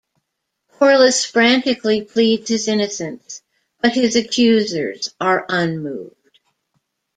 Corliss frantically pleads his innocence, but his accusers are unmoved.